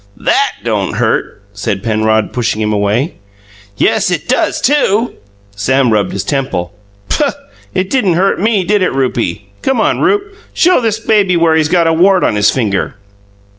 "THAT don' hurt," said Penrod, pushing him away. "Yes, it does, too!" Sam rubbed his temple. "Puh! It didn't hurt me, did it, Rupie? Come on in, Rupe: show this baby where he's got a wart on his finger."